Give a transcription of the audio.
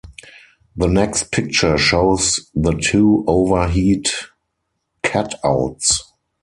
The next picture shows the two overheat cutouts.